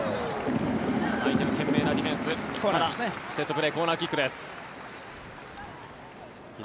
相手の懸命なディフェンスセットプレーコーナーキックです。